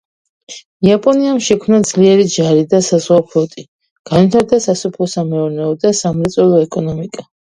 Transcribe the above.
იაპონიამ შექმნა ძლიერი ჯარი და საზღვაო ფლოტი, განვითარდა სასოფლო-სამეურნეო და სამრეწველო ეკონომიკა.